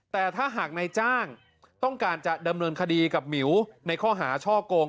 แต่ถ้าหากนายจ้างต้องการจะดำเนินคดีกับหมิวในข้อหาช่อโกง